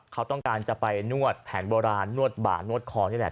เขาต้องการจะไปนวดแผนโบราณนวดบ่านวดคอนี่แหละ